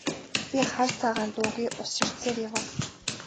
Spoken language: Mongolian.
Би хар цагаан дуугүй ус ширтсээр явав.